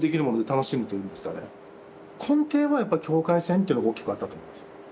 根底はやっぱ境界線っていうの大きくあったと思います。